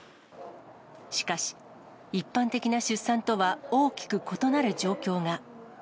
しかし、一般的な出産とは大きく異なる状況が。